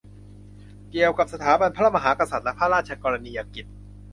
เกี่ยวกับสถาบันพระมหากษัตริย์และพระราชกรณียกิจ